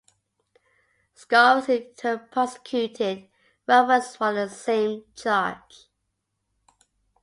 Scaurus in turn prosecuted Rufus for the same charge.